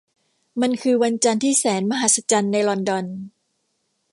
มันคือวันจันทร์ที่แสนมหัศจรรย์ในลอนดอน